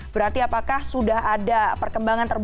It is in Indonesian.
berarti apakah sudah ada perkembangan terbaru